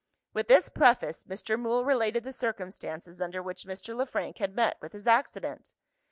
With this preface, Mr. Mool related the circumstances under which Mr. Le Frank had met with his accident.